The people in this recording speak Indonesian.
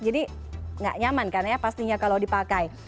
jadi nggak nyaman kan ya pastinya kalau dipakai